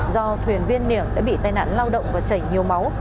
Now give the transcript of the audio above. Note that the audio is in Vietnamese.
do thuyền viên nỉa đã bị tai nạn lao động và chảy nhiều máu